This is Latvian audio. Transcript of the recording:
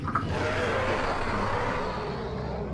Piedod, es nokavējos.